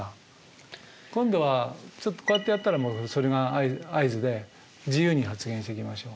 今度はちょっとこうやってやったらそれが合図で自由に発言していきましょう。